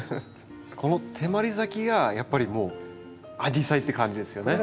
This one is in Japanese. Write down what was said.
この手まり咲きがやっぱりもうアジサイって感じですよね。